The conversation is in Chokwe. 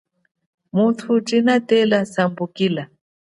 Muthu tshinatela sambukila.